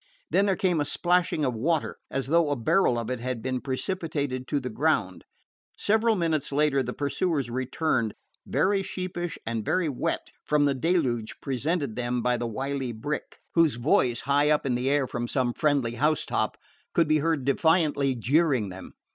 Then there came a splashing of water, as though a barrel of it had been precipitated to the ground. Several minutes later the pursuers returned, very sheepish and very wet from the deluge presented them by the wily Brick, whose voice, high up in the air from some friendly housetop, could be heard defiantly jeering them.